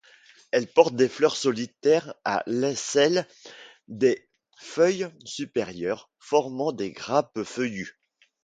Elles portent des fleurs solitaires à l'aisselle des feuilles supérieures, formant des grappes feuillues.